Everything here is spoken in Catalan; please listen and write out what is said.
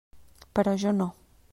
Però jo no.